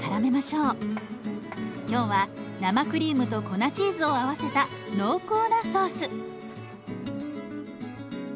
今日は生クリームと粉チーズを合わせた濃厚なソース。